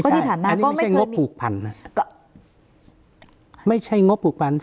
ไม่ใช่อันนี้ไม่ใช่งบผูกพันธุ์